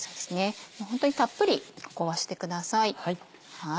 ホントにたっぷりここはしてください。